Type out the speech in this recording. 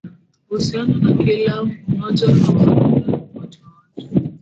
uhusiano na kila mmoja hawaunda umati wa watu